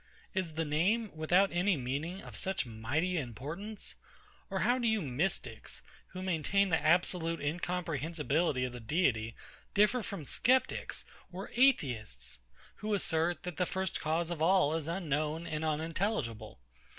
Is the name, without any meaning, of such mighty importance? Or how do you mystics, who maintain the absolute incomprehensibility of the Deity, differ from Sceptics or Atheists, who assert, that the first cause of all is unknown and unintelligible?